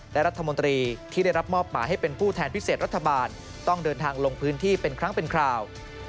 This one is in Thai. และรัฐมนตรีที่ได้รับมอบหมายให้เป็นผู้แทนพิเศษรัฐบาลต้องเดินทางลงพื้นที่เป็นครั้งเป็นคราว